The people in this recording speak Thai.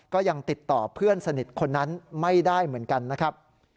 ก็ยังติดต่อเพื่อนสนิทคนนั้นไม่ได้เหมือนกันนะครับ